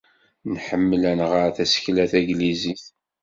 Nḥemmel ad nɣer tasekla tanglizit.